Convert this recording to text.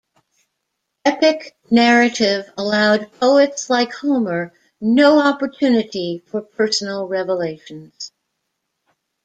Epic narrative allowed poets like Homer no opportunity for personal revelations.